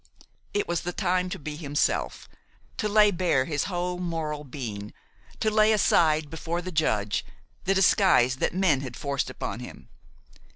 It was the time to be himself, to lay bare his whole moral being, to lay aside, before the Judge, the disguise that men had forced upon him.